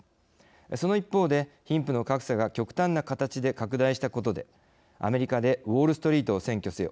その一方で貧富の格差が極端な形で拡大したことでアメリカで「ウォールストリートを占拠せよ」